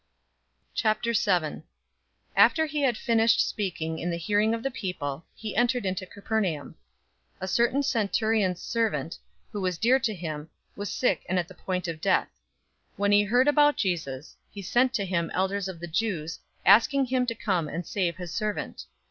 007:001 After he had finished speaking in the hearing of the people, he entered into Capernaum. 007:002 A certain centurion's servant, who was dear to him, was sick and at the point of death. 007:003 When he heard about Jesus, he sent to him elders of the Jews, asking him to come and save his servant.